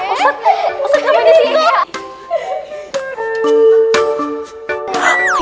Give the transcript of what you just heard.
ustadz ustadz ngapain disitu